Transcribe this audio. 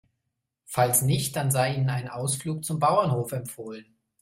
Falls nicht, dann sei Ihnen ein Ausflug zum Bauernhof empfohlen.